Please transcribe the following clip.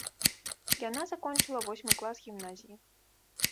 Яна закончыла восьмы клас гімназіі.